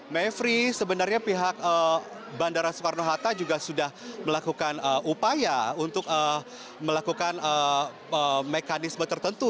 mevri sebenarnya pihak bandara soekarno hatta juga sudah melakukan upaya untuk melakukan mekanisme tertentu